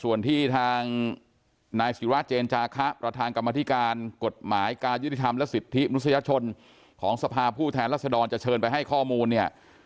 ส่วนที่ทางนายศิราเจนจาคะประธานกรรมธิการกฎหมายการยุติธรรมและสิทธิมนุษยชนของสภาผู้แทนรัศดรจะเชิญไปให้ข้อมูลเนี่ย